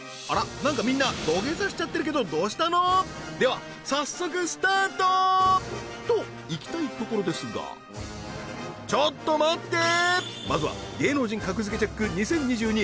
なんかみんな土下座しちゃってるけどどうしたの？では早速スタート！といきたいところですがちょっと待ってまずは芸能人格付けチェック！